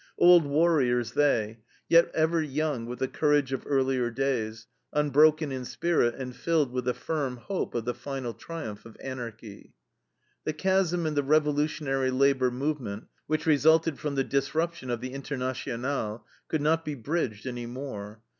Old warriors they, yet ever young with the courage of earlier days, unbroken in spirit and filled with the firm hope of the final triumph of Anarchy. The chasm in the revolutionary labor movement, which resulted from the disruption of the INTERNATIONALE, could not be bridged any more.